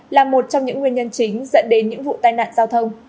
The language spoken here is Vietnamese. là một trong những nguyên nhân chính dẫn đến những vụ tai nạn giao thông